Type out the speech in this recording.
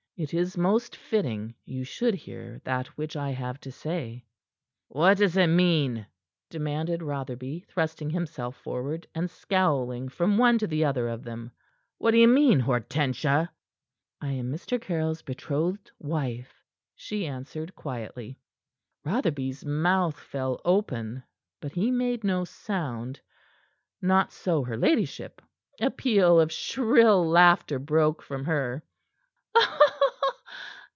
It is most fitting you should hear that which I have to say." "What does it mean?" demanded Rotherby, thrusting himself forward, and scowling from one to the other of them. "What d'ye mean, Hortensia?" "I am Mr. Caryll's betrothed wife," she answered quietly. Rotherby's mouth fell open, but he made no sound. Not so her ladyship. A peal of shrill laughter broke from her.